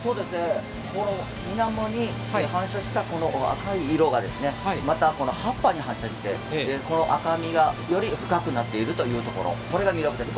この水面に反射した赤い色がまた葉っぱに反射して赤みがより深くなっているところこれが魅力です。